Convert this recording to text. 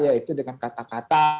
ya itu dengan kata kata